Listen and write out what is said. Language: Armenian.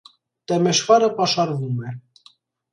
Տեմեշվարը պաշարվում է։